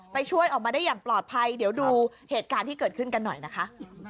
ช่วยออกมาได้อย่างปลอดภัยเดี๋ยวดูเหตุการณ์ที่เกิดขึ้นกันหน่อยนะคะ